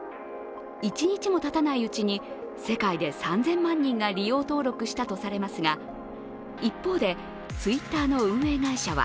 １日もたたないうちに世界で３０００万人が利用登録したとされますが、一方でＴｗｉｔｔｅｒの運営会社は